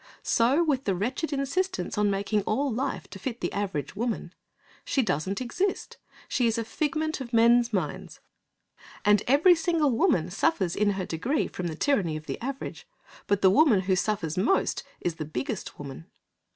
So with the wretched insistence on making all life to fit the average woman. She doesn't exist; she is a figment of men's minds, and every single woman suffers in her degree from the tyranny of the average, but the woman who suffers most is the biggest woman.